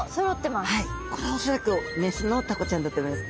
これ恐らく雌のタコちゃんだと思います。